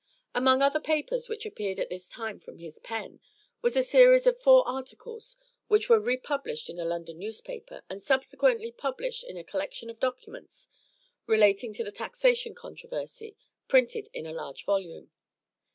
Among other papers which appeared at this time from his pen, was a series of four articles which were republished in a London newspaper, and subsequently published in a collection of documents relating to the taxation controversy, printed in a large volume.